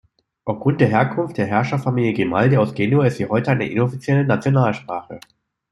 Aufgrund der Herkunft der Herrscherfamilie Grimaldi aus Genua ist sie heute eine inoffizielle Nationalsprache.